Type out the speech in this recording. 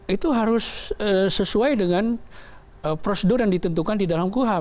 itu harus sesuai dengan prosedur yang ditentukan di dalam kuhap